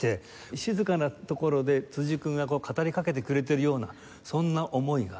静かなところで辻井くんが語りかけてくれてるようなそんな思いが感じ取れました。